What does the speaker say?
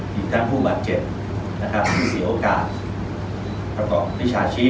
ที่ทั้งผู้บัดเจ็บผู้เสียโอกาสประกอบประชาชี